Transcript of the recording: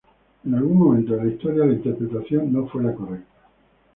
En algún momento de la historia, la interpretación no fue la correcta.